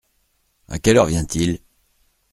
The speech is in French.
À quelle heure vient-il ?